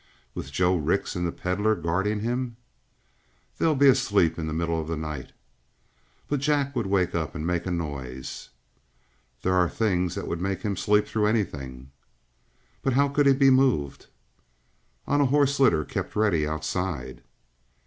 "With Joe Rix and the Pedlar guarding him?" "They'll be asleep in the middle of the night." "But Jack would wake up and make a noise." "There are things that would make him sleep through anything." "But how could he be moved?" "On a horse litter kept ready outside."